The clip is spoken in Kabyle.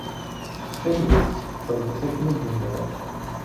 Ttxil-wet, xedmet akken i d-nniɣ.